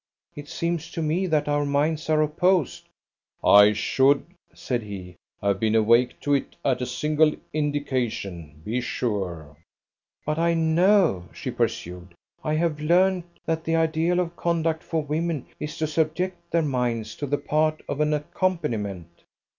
"It seems to me that our minds are opposed." "I should," said he, "have been awake to it at a single indication, be sure." "But I know," she pursued, "I have learned that the ideal of conduct for women is to subject their minds to the part of an accompaniment."